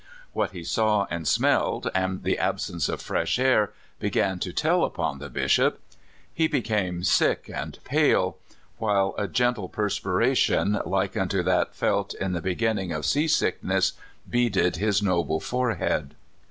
What he saw and smelled, and the absence of fresh air, began to tell upon the Bishop — he became sick and pale, while a gentle perspi ration, like unto that felt in the beginning of sea sickness, beaded his noble forehead.